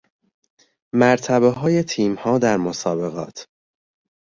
مرتبه های تیم ها در مسابقات